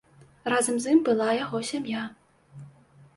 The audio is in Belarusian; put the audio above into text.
Разам з ім была яго сям'я.